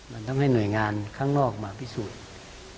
มันทำให้หน่วยงานข้างนอกมาพิสูจน์